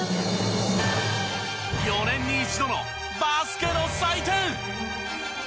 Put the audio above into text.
４年に一度のバスケの祭典